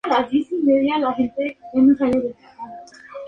Su fecha de su muerte es desconocida.